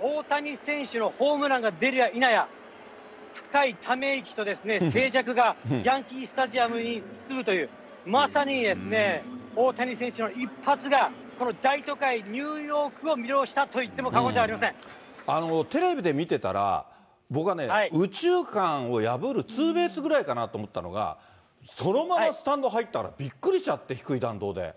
大谷選手のホームランが出るやいなや、深いため息と静寂が、ヤンキースタジアムを包むという、まさにですね、大谷選手の一発がこの大都会ニューヨークを魅了したと言っても過テレビで見てたら、僕はね、右中間を破るツーベースぐらいかなと思ったのが、そのままスタンド入ったからびっくりしちゃって、低い弾道で。